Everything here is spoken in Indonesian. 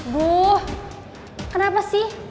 bu kenapa sih